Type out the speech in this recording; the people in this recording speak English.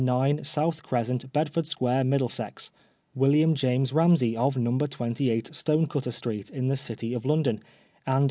9 South Crescent, Bed ford Square, Middlesex ; William James Ramsey, of No 28 Stonecutter Street, in the City of London, and No.